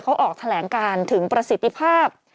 เขาออกแถลงการถึงประสิทธิภาพ